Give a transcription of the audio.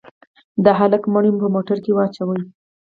د هلك مړى مو په موټر کښې واچاوه.